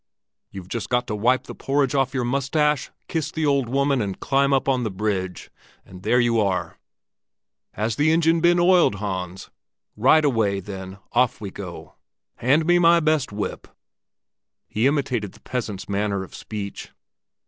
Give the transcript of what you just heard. You've just got to wipe the porridge off your mustache, kiss the old woman, and climb up on to the bridge, and there you are! Has the engine been oiled, Hans? Right away, then, off we go; hand me my best whip!" He imitated the peasants' manner of speech.